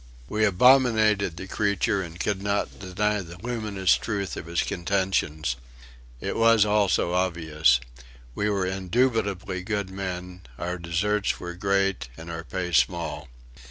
We abominated the creature and could not deny the luminous truth of his contentions. It was all so obvious. We were indubitably good men; our deserts were great and our pay small.